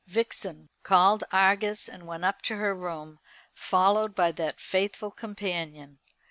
Vixen called Argus and went up to her room, followed by that faithful companion.